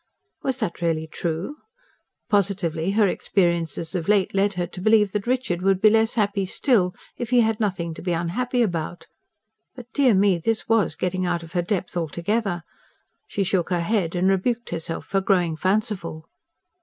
Was that really true? Positively her experiences of late led her to believe that Richard would be less happy still if he had nothing to be unhappy about. But dear me! this was getting out of her depth altogether. She shook her head and rebuked herself for growing fanciful.